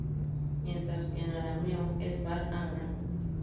Mientras que en arameo es "Bar Abram".